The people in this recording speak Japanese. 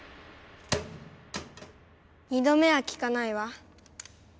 ２度目はきかないわ。